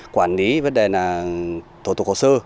quản lý vấn đề là tổ tục hồ sơ